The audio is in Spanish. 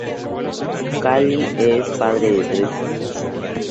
Cali es padre de tres hijos.